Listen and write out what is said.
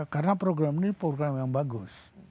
karena program ini program yang bagus